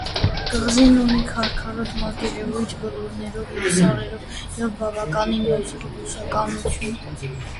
Կղզին ունի քարքարոտ մակերևույթ՝ բլուրներով և սարերով, և բավականին նոսր բուսականություն։